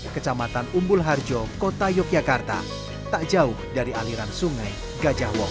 kecamatan umbul harjo kota yogyakarta tak jauh dari aliran sungai gajah wong